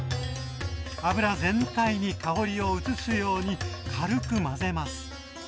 油全体に香りを移すように軽く混ぜます